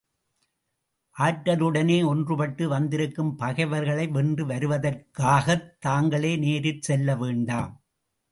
ஆற்றலுடனே ஒன்றுபட்டு வந்திருக்கும் பகைவர்களை வென்று வருவதற்காகத் தாங்களே நேரிற் செல்லவேண்டாம்.